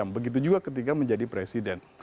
begitu juga ketika menjadi presiden